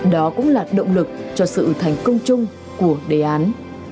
đó cũng là động lực cho sự thành công chung của đề án